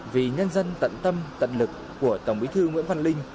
vì nhân dân tận tâm tận lực của tổng bí thư nguyễn văn linh